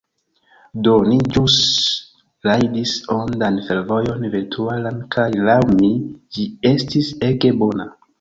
Do, ni ĵus rajdis ondan fervojon virtualan kaj, laŭ mi, ĝi estis ege bona